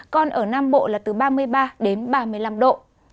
còn ở nam bộ là từ ba mươi ba đến ba mươi năm độ